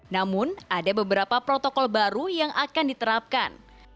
namun ada beberapa protokol baru yang akan diterapkan